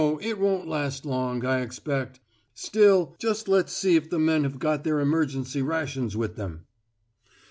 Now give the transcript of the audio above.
It won't last long, I expect. Still, just let's see if the men have got their emergency rations with them.